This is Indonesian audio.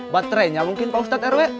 baterainya mungkin pak ustadz rw